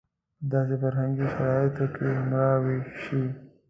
په داسې فرهنګي شرایطو کې مړاوې شي.